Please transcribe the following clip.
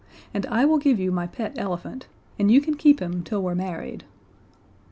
And I will give you my pet elephant and you can keep him till we're married."